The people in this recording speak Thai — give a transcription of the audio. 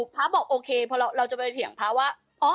พระบอกโอเคพอเราจะไปเถียงพระว่า